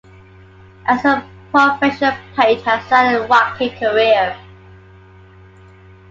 As a professional Pate has had a rocky career.